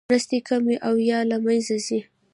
مرستې کمې او یا له مینځه ځي.